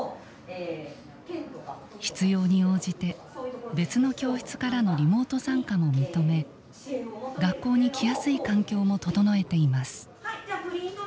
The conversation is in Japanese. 必要に応じて別の教室からのリモート参加も認め学校に来やすい環境も整えています。